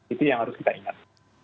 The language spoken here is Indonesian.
itu yang harus kita ingat